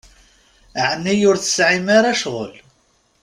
Ɛni ur tesɛim ara ccɣel?